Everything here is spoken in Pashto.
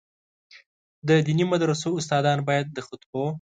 د دیني مدرسو استادان باید د خطبو.